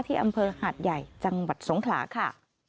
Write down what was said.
อำเภอหาดใหญ่จังหวัดสงขลาค่ะ